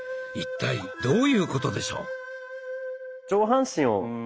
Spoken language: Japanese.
一体どういうことでしょう。